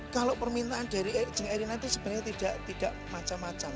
kalau permintaan dari irina itu sebenarnya tidak macam macam